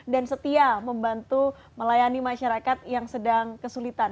setia membantu melayani masyarakat yang sedang kesulitan